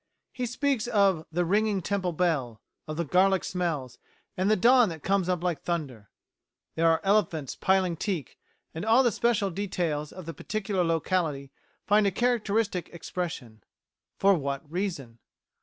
He speaks of the ringing temple bell, of the garlic smells, and the dawn that comes up like thunder; there are elephants piling teak, and all the special details of the particular locality find a characteristic expression. For what reason?